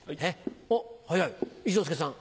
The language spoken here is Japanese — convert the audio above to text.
おっ早い一之輔さん。